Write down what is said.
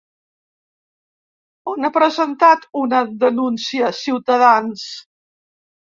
On ha presentat una denúncia Ciutadans?